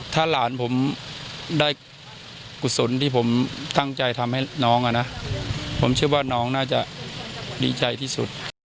ถ้าหลานผมได้กุศลที่ผมตั้งใจทำให้น้องอ่ะนะผมเชื่อว่าน้องน่าจะดีใจที่สุด